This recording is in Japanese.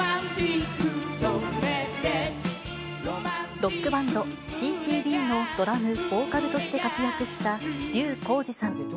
ロックバンド、ＣーＣーＢのドラム、ボーカルとして活躍した笠浩二さん。